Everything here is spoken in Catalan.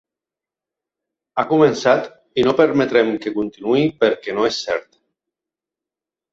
Ha començat i no permetrem que continuï perquè no és cert.